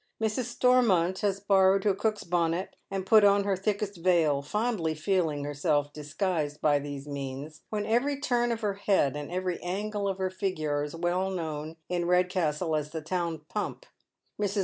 Mrs. Stormont has boiTOwed her cook's bonnet, and put on her thickest A'eil, fondly feeling herself disguised by these means, w^hen every turn of her head and every angle of her figure are as well known in Eedcastle as the town pump. Mi's.